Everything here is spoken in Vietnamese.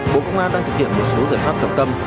bộ công an đang thực hiện một số giải pháp trọng tâm